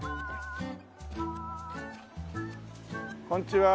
こんちは。